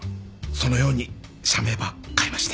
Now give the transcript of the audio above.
そのように社名ば変えまして。